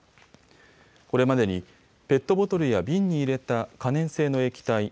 これまでにペットボトルや瓶に入れた可燃性の液体